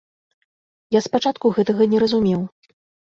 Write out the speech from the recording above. Я спачатку гэтага не разумеў.